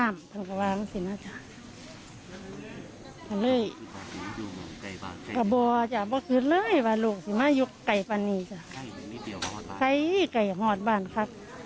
มีใครหาที่ตามถ้ามีใคร